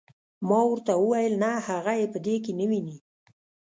ما ورته وویل نه هغه یې په دې کې نه ویني.